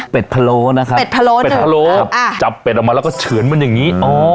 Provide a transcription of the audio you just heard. เป็นพะโลนะครับเป็ดพะโล้เป็ดพะโลจับเป็ดออกมาแล้วก็เฉือนมันอย่างนี้